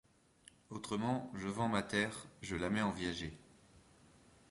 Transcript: Autrement, je vends ma terre, je la mets en viager.